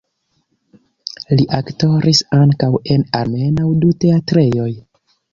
Li aktoris ankaŭ en almenaŭ du teatrejoj.